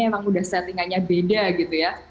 emang udah settingannya beda gitu ya